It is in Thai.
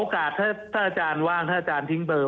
ผมขอโอกาสถ้าท่านอาจารย์ว่างท่านอาจารย์ทิ้งเบอร์